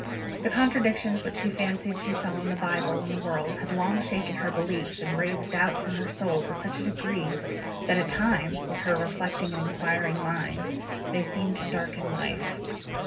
The contradictions which she fancied she saw in the Bible and the world had long shaken her belief, and raised doubts in her soul to such a degree that, at times, with her reflecting and inquiring mind, they seemed to darken life."